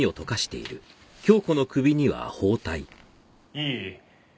いい？